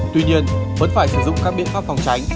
tuy nhiên vẫn phải sử dụng các biện pháp phòng tránh